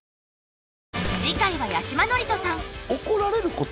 次回は八嶋智人さん怒られること